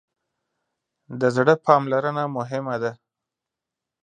د زړه پاملرنه مهمه ده.